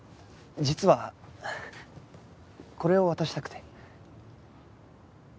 実はこれを渡したくて。